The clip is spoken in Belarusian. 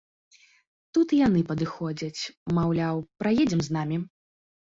Тут і яны падыходзяць, маўляў, праедзем з намі.